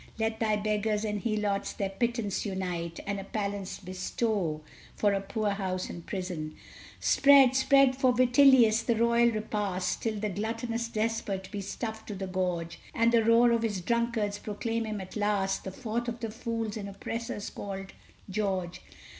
Let thy beggars and Helots their pittance unite And a palace bestow for a poor house and prison! Spread spread for Vitellius the royal repast, Till the gluttonous despot be stuffed to the gorge! And the roar of his drunkards proclaim him at last The Fourth of the fools and oppressors called "George"!